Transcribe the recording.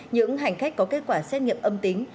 những hành khách có kết quả xét nghiệm âm tính